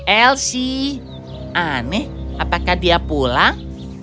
elsi aneh apakah dia pulang